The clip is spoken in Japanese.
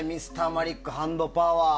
Ｍｒ．マリック、ハンドパワー。